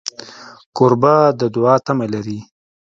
کوربه د دوعا تمه لري.